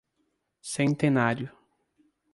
Centenário